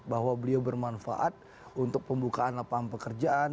bahwa beliau bermanfaat untuk pembukaan lapangan pekerjaan